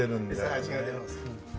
そう味が出ます。